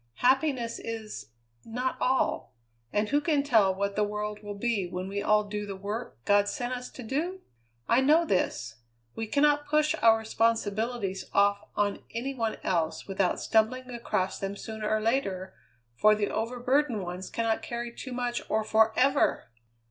Happiness is not all. And who can tell what the world will be when we all do the work God sent us to do? I know this: we cannot push our responsibilities off on any one else without stumbling across them sooner or later, for the overburdened ones cannot carry too much, or forever!"